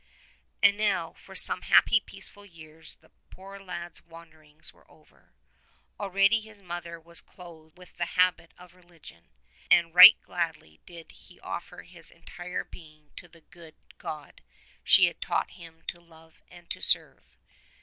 # And now for some happy peaceful years the poor lad's wanderings were over. Already his mother was clothed with the habit of religion, and right gladly did he offer his entire being to the good God she had taught him to love and to serve.